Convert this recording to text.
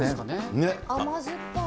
甘酸っぱい。